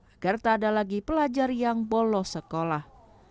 agar tak ada lagi pelajar yang bolos sekolah